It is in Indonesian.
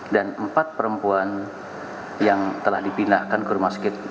dan empat perempuan yang telah dipindahkan ke rumah sekit